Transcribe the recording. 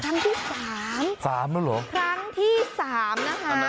ครั้งที่สามสามแล้วเหรอครั้งที่สามนะคะ